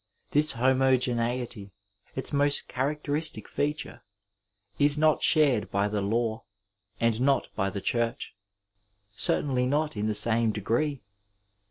This homogeneity, its most characteristic feature, is not shared by the law, and not by the Church, certainly not in the same degree.